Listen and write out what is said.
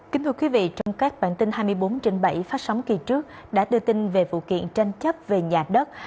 kính thưa quý vị trong các bản tin hai mươi bốn trên bảy phát sóng kỳ trước đã đưa tin về vụ kiện tranh chấp về nhà đất